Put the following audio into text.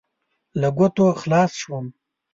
له ګوتو خلاص شوم.